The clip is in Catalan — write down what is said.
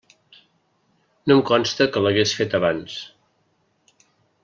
No em consta que l'hagués feta abans.